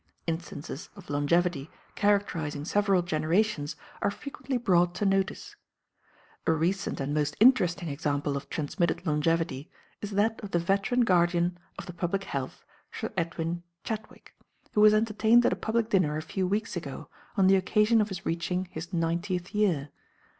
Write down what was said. Instances of longevity characterizing several generations are frequently brought to notice. A recent and most interesting example of transmitted longevity is that of the veteran guardian of the public health, Sir Edwin Chadwick, who was entertained at a public dinner a few weeks ago on the occasion of his reaching his ninetieth year.